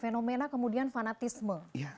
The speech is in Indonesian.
fenomena kemudian fanatisme